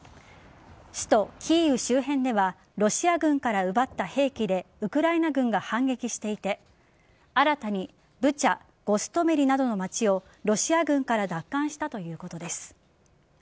首都・キーウ周辺ではロシア軍から奪った兵器でウクライナ軍が反撃していて新たに、ブチャゴストメリなどの町をロシア軍から奪還したということです。